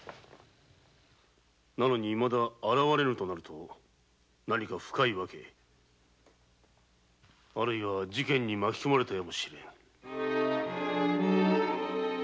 なのに現れぬとなると何か深い訳あるいは事件に巻き込まれたか？